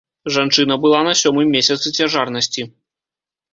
Жанчына была на сёмым месяцы цяжарнасці.